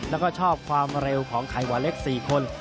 แล้วก็ชอบความเร็วของไข่หวานเล็ก๔คน